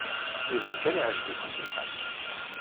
Iban kan yeɛjeb-ikent lḥal.